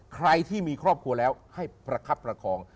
ใครที่มีครอบครัวแล้วให้ประคับประคอง